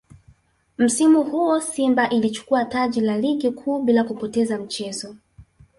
Msimu huo Simba ilichukua taji la Ligi Kuu bila kupoteza mchezo